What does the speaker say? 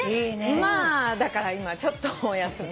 まあだから今ちょっとお休み。